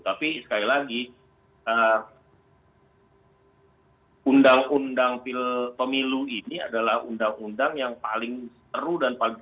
tapi sekali lagi undang undang pemilu ini adalah undang undang yang paling seru dan paling